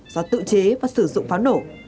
do tự chế và sử dụng pháo nổ